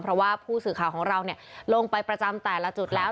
เพราะว่าผู้สื่อข่าวของเราลงไปประจำแต่ละจุดแล้ว